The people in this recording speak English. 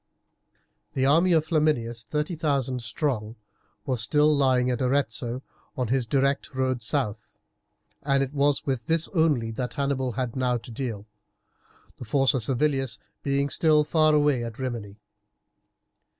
The army of Flaminius, 30,000 strong, was still lying at Arezzo, on his direct road south, and it was with this only that Hannibal had now to deal, the force of Servilius being still far away at Rimini.